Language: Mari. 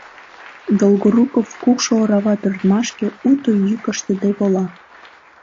Долгоруков кукшо орава пӧрдмашке уто йӱк ыштыде вола.